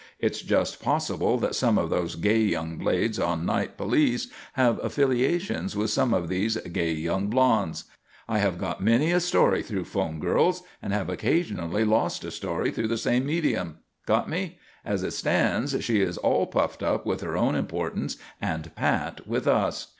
It's just possible that some of those gay young blades on night police have affiliations with some of these gay young blondes. I have got many a story through 'phone girls and have occasionally lost a story through the same medium. Get me? As it stands, she is all puffed up with her own importance and pat with us.